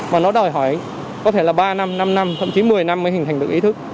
mà nó đòi hỏi có thể là ba năm năm năm thậm chí mười năm mới hình thành được ý thức